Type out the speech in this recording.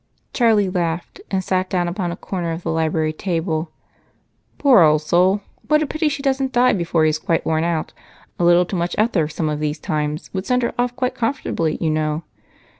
Charlie laughed and sat down upon a corner of the library table. "Poor old soul! What a pity she doesn't die before he is quite worn out. A little too much ether some of these times would send her off quite comfortably, you know."